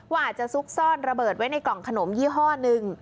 อาจจะซุกซ่อนระเบิดไว้ในกล่องขนมยี่ห้อหนึ่ง